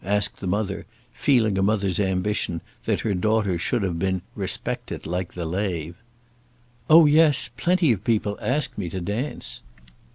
asked the mother, feeling a mother's ambition that her daughter should have been "respectit like the lave." "Oh, yes; plenty of people asked me to dance."